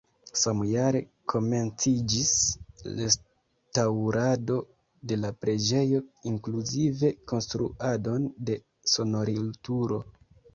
Samjare komenciĝis restaŭrado de la preĝejo, inkluzive konstruadon de sonorilturo.